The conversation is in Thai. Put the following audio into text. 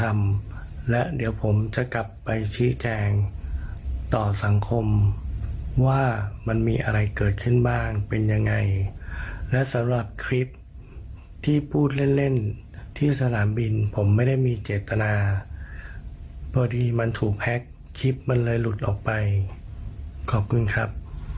ไม่มีเจตนาเพราะดีมันถูกแพ็คคลิปมันเลยหลุดออกไปขอบคุณครับ